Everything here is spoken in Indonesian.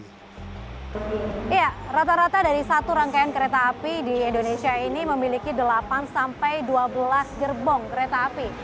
iya rata rata dari satu rangkaian kereta api di indonesia ini memiliki delapan sampai dua belas gerbong kereta api